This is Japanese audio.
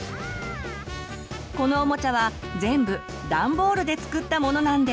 このおもちゃは全部ダンボールで作ったものなんです。